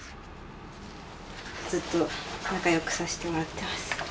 ずっと仲良くさしてもらってます。